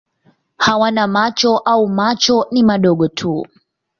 Hawana macho au macho ni madogo tu.